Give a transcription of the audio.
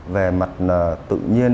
về mặt tự nhiên